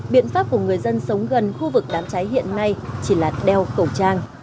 biện pháp của người dân sống gần khu vực đám cháy hiện nay chỉ là đeo khẩu trang